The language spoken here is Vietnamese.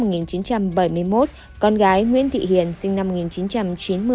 nguyễn thị thành sinh năm một nghìn chín trăm bảy mươi một con gái nguyễn thị hiền sinh năm một nghìn chín trăm chín mươi